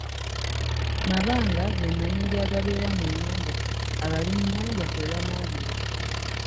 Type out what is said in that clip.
Mabanga ge mayinja agabeera mu nnyanja abalunnyanja kwe banaabira.